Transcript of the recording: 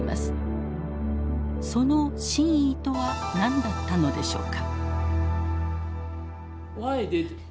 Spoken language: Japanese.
その真意とは何だったのでしょうか。